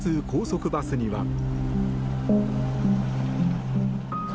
高速バスには。